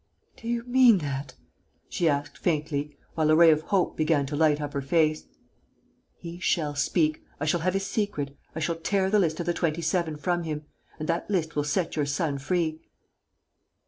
"Do you mean that?" she asked, faintly, while a ray of hope began to light up her face. "He shall speak. I shall have his secret. I shall tear the list of the Twenty seven from him. And that list will set your son free."